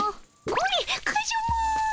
これカジュマ。